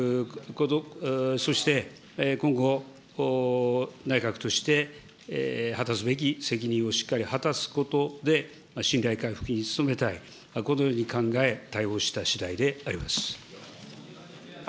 そして、今後、内閣として果たすべき責任をしっかり果たすことで、信頼回復に努めたい、このように考え、対応したしだいであります。